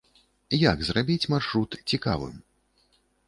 Як зрабіць маршрут цікавым?